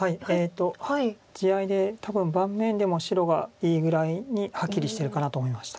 地合いで多分盤面でも白がいいぐらいにはっきりしてるかなと思いました。